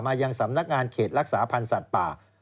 ยังสำนักงานเขตรักษาพันธ์สัตว์ป่า